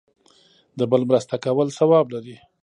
د بل مرسته کول ثواب لري